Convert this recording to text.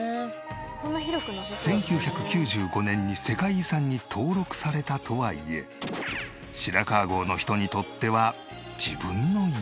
１９９５年に世界遺産に登録されたとはいえ白川郷の人にとっては自分の家。